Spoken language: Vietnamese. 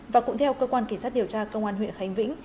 và cũng theo cơ quan kỳ sát điều tra công an huyện khánh vĩnh